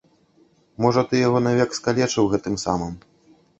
Можа, ты яго навек скалечыў гэтым самым.